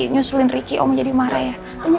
nyusulin ricky om jadi marah ya